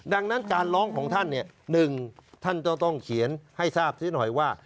ดังนั้นการร้องของท่านเนี่ยหนึ่งท่านจะต้องเขียนให้ทราบซิหน่อยว่า